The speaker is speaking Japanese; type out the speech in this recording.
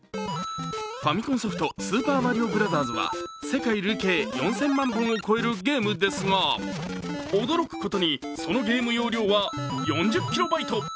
ファミコンソフト「スーパーマリオブラザーズ」は世界累計４０００万本を超えるゲームですが驚くことにそのゲーム容量は４０キロバイト。